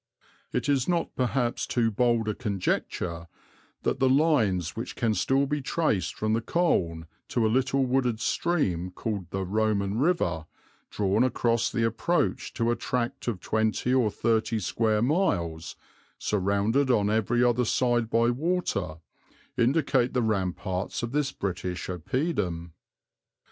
It is not perhaps too bold a conjecture that the lines which can still be traced from the Colne to a little wooded stream called the Roman river, drawn across the approach to a tract of twenty or thirty square miles, surrounded on every other side by water, indicate the ramparts of this British oppidum.